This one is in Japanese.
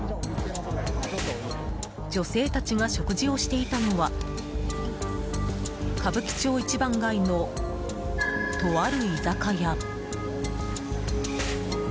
女性たちが食事をしていたのは歌舞伎町一番街のとある居酒屋。